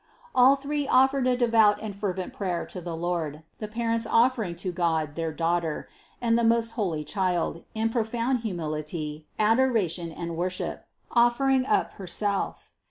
All three offered a devout and fervent prayer to the Lord; the parents offering to God their Daughter, and the most holy Child, in profound humility, adoration and worship, offering up Herself.